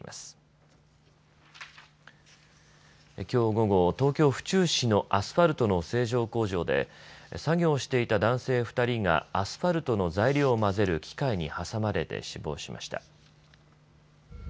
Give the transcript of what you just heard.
きょう午後、東京府中市のアスファルトの製造工場で作業をしていた男性２人がアスファルトの材料を混ぜる機械に挟まれて死亡しました。